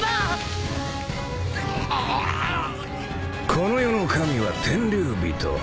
この世の神は天竜人。